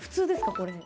これ。